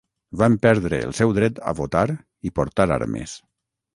Van perdre el seu dret a votar i portar armes.